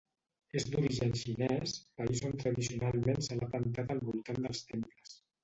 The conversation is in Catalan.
És d'origen xinès, país on tradicionalment se l'ha plantat al voltant dels temples.